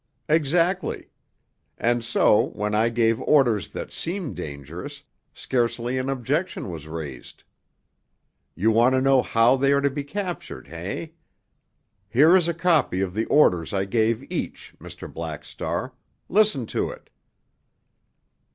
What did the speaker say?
"Exactly. And so, when I gave orders that seemed dangerous, scarcely an objection was raised. You want to know how they are to be captured, eh? Here is a copy of the orders I gave each, Mr. Black Star, listen to it!"